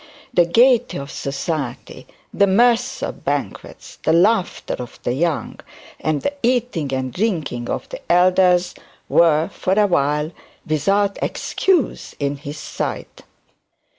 The gaiety of society, the mirth of banquets, the laughter of the young, and the eating and drinking of the elders were, for awhile, without excuse in his sight.